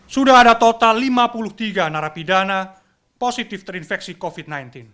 sudah ada total lima puluh tiga narapidana positif terinfeksi covid sembilan belas